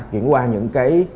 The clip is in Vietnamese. chuyển qua những cái